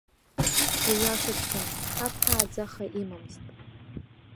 Ииашаҵәҟьаны, ҳаб ҳааӡаха имамызт.